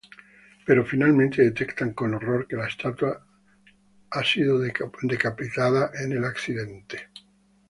Pero finalmente detectan con horror que la estatua ha sido decapitada en el accidente.